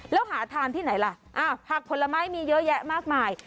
แล้วหาทานที่ไหนล่ะผักผลไม้มีเยอะแยะมากมาย